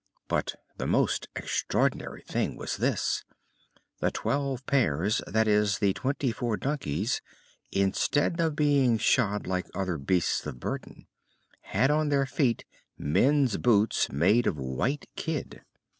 But the most extraordinary thing was this: the twelve pairs, that is, the twenty four donkeys, instead of being shod like other beasts of burden, had on their feet men's boots made of white kid.